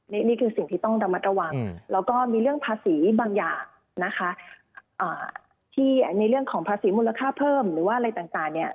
นี่คือสิ่งที่ต้องระมัดระวังแล้วก็มีเรื่องภาษีบางอย่างนะคะที่ในเรื่องของภาษีมูลค่าเพิ่มหรือว่าอะไรต่างเนี่ย